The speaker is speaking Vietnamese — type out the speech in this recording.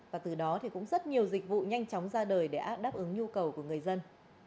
và từ đó thì cũng rất nhiều dịch vụ nhanh chóng ra đời để áp đáp ứng nhu cầu của người dân